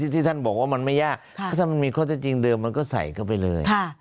ที่ท่านบอกว่ามันไม่ยากถ้ามันมีข้อเท็จจริงเดิมมันก็ใส่เข้าไปเลย